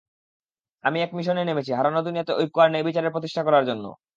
আমি এক মিশনে নেমেছি, হারানো দুনিয়াতে ঐক্য আর ন্যায়বিচার প্রতিষ্ঠা করার জন্য।